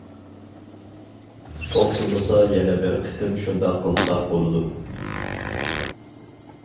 توختىمىسا يەنە بىر قېتىم شۇنداق قىلساق بولىدۇ.